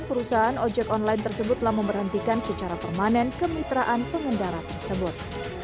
perusahaan ojek online tersebut telah memberhentikan secara permanen kemitraan pengendara tersebut